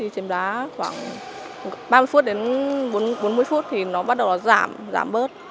chiếm đá khoảng ba mươi phút đến bốn mươi phút thì nó bắt đầu giảm giảm bớt